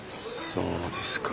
そうですか。